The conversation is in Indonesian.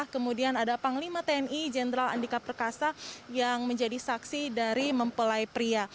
kemudian ada panglima tni jenderal andika perkasa yang menjadi saksi dari mempelai pria